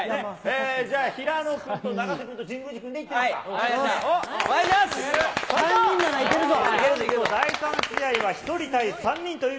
じゃあ、平野君と永瀬君と神宮寺君でいってみるか。